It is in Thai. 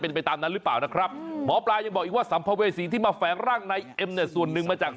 เพราะว่าแฝงร่างนายเอ็มเนี่ยส่วนหนึ่งมาจาก